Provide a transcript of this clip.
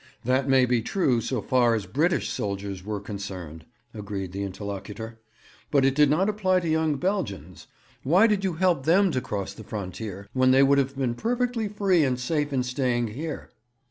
'That may be true so far as British soldiers were concerned,' agreed the interlocutor, 'but it did not apply to young Belgians. Why did you help them to cross the frontier, when they would have been perfectly free and safe in staying here?'